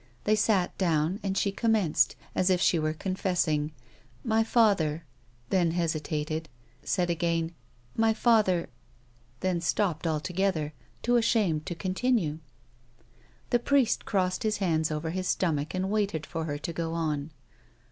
They sat down, and she commenced, as if she Avere con fessing ; "My father," then hesitated, said again, "My father," then stopped altogether, too ashamed to continue. The priest crossed his hands over his stomach and waited for her to go on.